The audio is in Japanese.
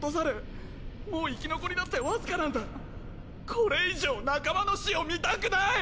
これ以上仲間の死を見たくない！